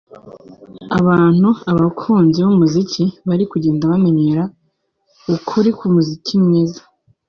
abantu(abakunzi b’umuziki) bari kugenda bamenya ukuri k’umuziki mwiza”